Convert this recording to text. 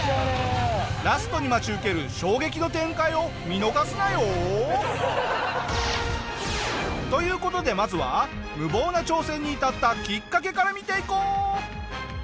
ラストに待ち受ける衝撃の展開を見逃すなよ！という事でまずは無謀な挑戦に至ったきっかけから見ていこう！